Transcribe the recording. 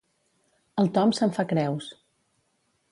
El Tom se'n fa creus.